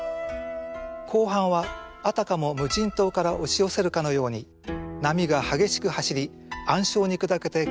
後半はあたかも無人島から押し寄せるかのように波が激しく走り暗礁に砕けて煙になると言います。